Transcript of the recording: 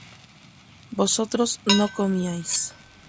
vosotros no comíais